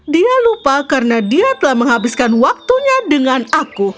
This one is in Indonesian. dia lupa karena dia telah menghabiskan waktunya dengan aku